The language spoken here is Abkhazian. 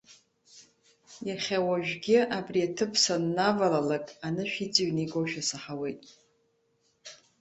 Иахьа уажәгьы абри аҭыԥ саннавалалакь, анышә иҵыҩны игошәа саҳауеит.